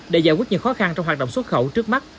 để giải quyết những khó khăn trong hoạt động xuất khẩu trước mắt